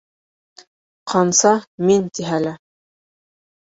Ҡанса «мин» тиһә лә